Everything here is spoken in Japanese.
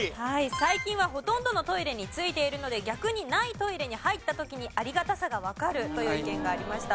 最近はほとんどのトイレに付いているので逆にないトイレに入った時にありがたさがわかるという意見がありました。